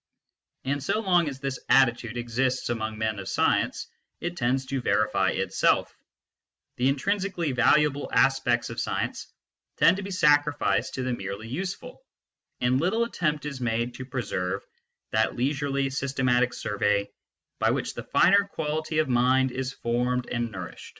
And so long as this attitude exists among men of science, it tends to verify itself : the intrinsically valuable aspects of science tend to be sacrificed to the merely useful, and little attempt is made to preserve that leisurely, systematic survey by which the finer quality of mind is formed and nourished.